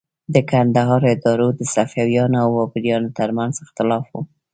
د کندهار اداره د صفویانو او بابریانو تر منځ د اختلاف وه.